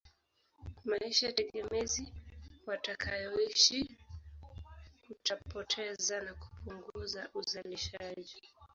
Maisha tegemezi watakayoishi kutapoteza na kupunguza uzalishaji